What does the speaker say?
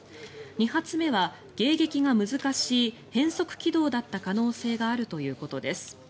２発目は迎撃が難しい変則軌道だった可能性があるということです。